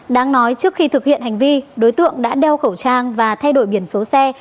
đáng nói trước khi thực hiện hành vi đối tượng đã đeo khẩu trang và thay đổi biển số xe